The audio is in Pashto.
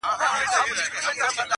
ور کول مو پر وطن باندي سرونه؛